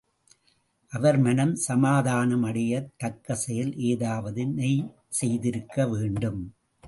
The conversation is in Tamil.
அவர் மனம் சமாதானம் அடையத் தக்கசெயல் ஏதாவது நீ செய்திருக்க வேண்டும்.